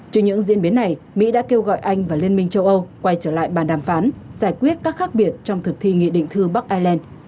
trước những diễn biến này mỹ đã kêu gọi anh và liên minh châu âu quay trở lại bàn đàm phán giải quyết các khác biệt trong thực thi nghị định thư bắc ireland